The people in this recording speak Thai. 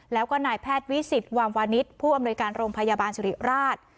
แล้วก็นายแพทย์วิสิตวามวานิสผู้อำนวยการโรงพยาบาลสิริราช